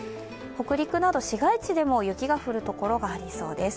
北陸など市街地でも雪が降るところがありそうです。